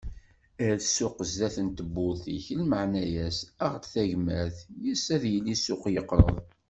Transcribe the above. Err ssuq sdat n tewwurt-ik lmeɛna-as, aɣ-d tagmert, yes-s ad yili ssuq yeqreb.